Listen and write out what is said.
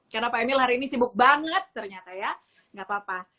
karena pak emil hari ini sibuk banget ternyata ya nggak apa apa